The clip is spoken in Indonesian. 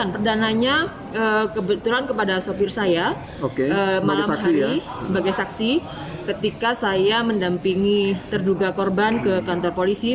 perdananya kebetulan kepada sopir saya malam hari sebagai saksi ketika saya mendampingi terduga korban ke kantor polisi